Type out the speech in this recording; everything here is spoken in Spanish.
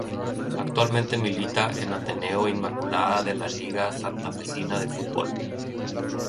Actualmente milita en Ateneo Inmaculada de la Liga Santafesina de Fútbol.